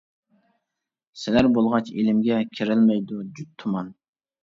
سىلەر بولغاچ ئېلىمگە، كېرەلمەيدۇ جۇت تۇمان.